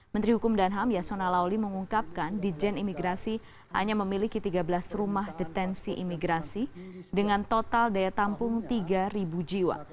menteri hukum dan ham yasona lawli mengungkapkan di jen imigrasi hanya memiliki tiga belas rumah detensi imigrasi dengan total daya tampung tiga jiwa